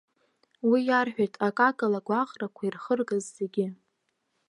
Уи иарҳәеит акакала агәаҟрақәа ирхыргаз зегьы.